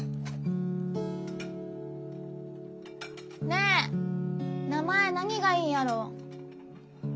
ねえ名前何がいいんやろ。